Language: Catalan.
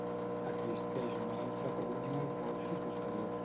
Existeix una altra columna al porxo posterior.